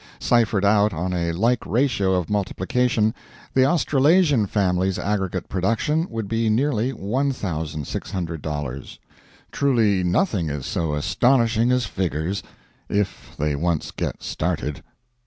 Ciphered out on a like ratio of multiplication, the Australasian family's aggregate production would be nearly $1,600. Truly, nothing is so astonishing as figures, if they once get started.